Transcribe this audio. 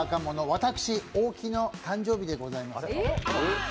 私、大木の誕生日でございます。